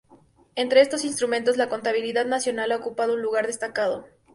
Entre estos instrumentos la contabilidad nacional ha ocupado un lugar destacado.